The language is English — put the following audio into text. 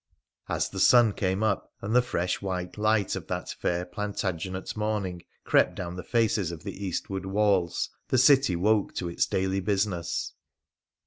As the sun came up, and the fresh, white light of that fair Plantagenet morning crept down the faces of the eastward walls, the city woke to its daily business.